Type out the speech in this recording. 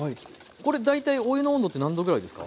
これ大体お湯の温度って何℃ぐらいですか？